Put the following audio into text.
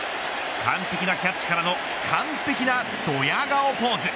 完璧なキャッチからの完璧なドヤ顔ポーズ。